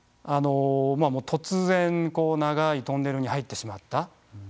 突然長いトンネルに入ってしまった。